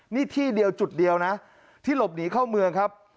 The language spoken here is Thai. นี่ที่เดียวจุดเดียวนะที่หลบหนีเข้าเมืองครับ